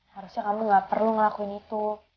harusnya kamu gak perlu ngelakuin itu